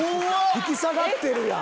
引き下がってるやん！